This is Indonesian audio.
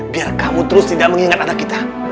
biar kamu terus tidak mengingat anak kita